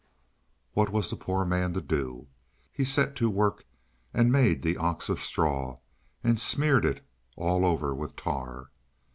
What was the poor man to do? He set to work and made the ox of straw, and smeared it all over with tar.